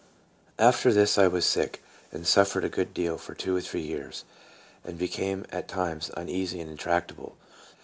After this I was sick, and suffered a good deal for two or three years, and became at times uneasy and intractable.